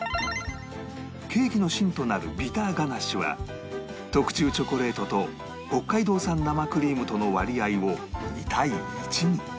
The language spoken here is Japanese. ケーキの芯となるビターガナッシュは特注チョコレートと北海道産生クリームとの割合を２対１に